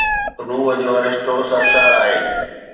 روح جو هر رشتو سرشار آهي